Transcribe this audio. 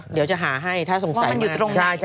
เดี๋ยวจะหาให้ถ้าสงสัยมาก